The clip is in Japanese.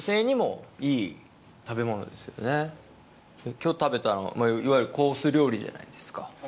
今日食べたのいわゆるコース料理じゃないですか。